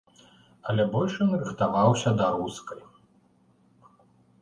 Але больш ён рыхтаваўся да рускай.